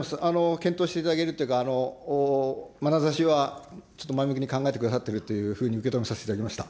検討していただけるというか、まなざしは、ちょっと前向きに考えてくださっているというふうに受け止めさせていただきました。